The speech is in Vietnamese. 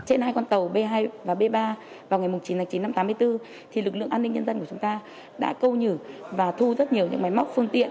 trên hai con tàu b hai và b ba vào ngày chín tháng chín năm tám mươi bốn lực lượng an ninh nhân dân của chúng ta đã câu nhử và thu rất nhiều những máy móc phương tiện